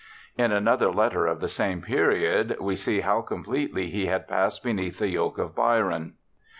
In another letter of the same period we see how completely he had passed beneath the yoke of Byron.